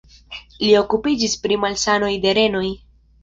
Li okupiĝis pri malsanoj de renoj.